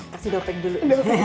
kasih dopek dulu